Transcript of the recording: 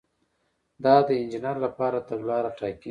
دا د انجینر لپاره تګلاره ټاکي.